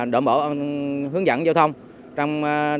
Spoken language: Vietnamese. động bộ hướng dẫn giao thông